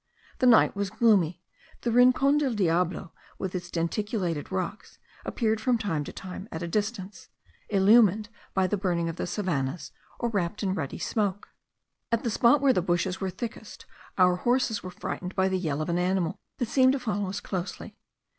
The night was gloomy: the Rincon del Diablo with its denticulated rocks appeared from time to time at a distance, illumined by the burning of the savannahs, or wrapped in ruddy smoke. At the spot where the bushes were thickest, our horses were frightened by the yell of an animal that seemed to follow us closely.